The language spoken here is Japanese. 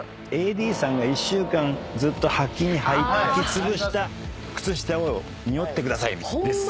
「ＡＤさんが１週間ずっとはきにはきつぶした靴下をにおってください」です。